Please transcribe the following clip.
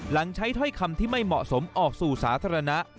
ใช้ถ้อยคำที่ไม่เหมาะสมออกสู่สาธารณะ